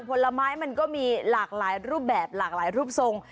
ผลไม้มันก็มีหลากหลายรูปแบบหลากหลายรูปทรง